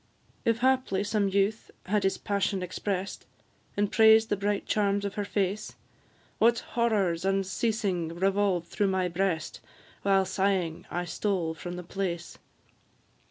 If haply some youth had his passion express'd, And praised the bright charms of her face, What horrors unceasing revolved though my breast, While, sighing, I stole from the place!